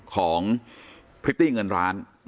พริตตี้เงินร้าน